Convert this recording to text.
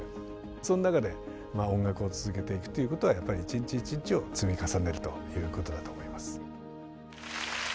その中で音楽を続けていくということはやっぱり一日一日を積み重ねるということだと思います。